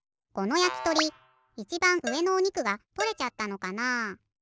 このやきとりいちばんうえのおにくがとれちゃったのかな？